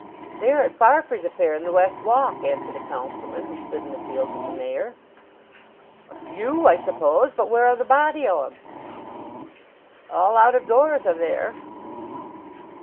"They are at Farfrae's affair in the West Walk," answered a Councilman who stood in the field with the Mayor. "A few, I suppose. But where are the body o' 'em?" "All out of doors are there."